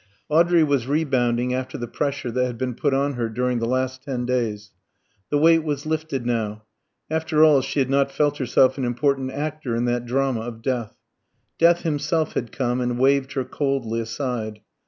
Audrey was rebounding after the pressure that had been put on her during the last ten days. The weight was lifted now. After all, she had not felt herself an important actor in that drama of death. Death himself had come and waived her coldly aside.